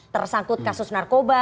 tersangkut kasus narkoba